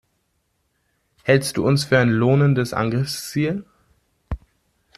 Hältst du uns für ein lohnendes Angriffsziel?